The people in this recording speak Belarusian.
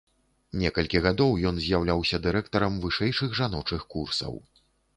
Некалькі гадоў ён з'яўляўся дырэктарам вышэйшых жаночых курсаў.